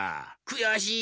くやしい！